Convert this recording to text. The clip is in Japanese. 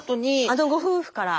あのご夫婦から。